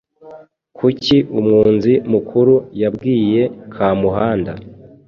Kuki umwunzi mukuru yabwiye Kamuhanda